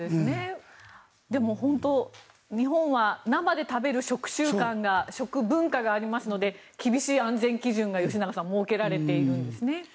でも、日本は生で食べる食文化がありますので厳しい安全基準が、吉永さん設けられているんですね。